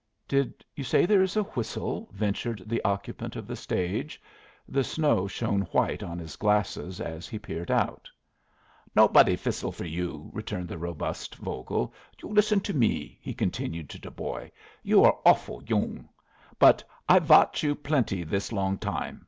"Did you say there was a whistle?" ventured the occupant of the stage. The snow shone white on his glasses as he peered out. "Nobody whistle for you," returned the robust Vogel. "You listen to me," he continued to the boy. "You are offle yoong. But I watch you plenty this long time.